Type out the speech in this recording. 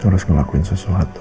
harus ngelakuin sesuatu